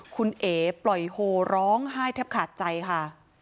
คุณเอ๋ปล่อยโฮร้องไห้แทบขาดใจค่ะ